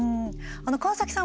川崎さん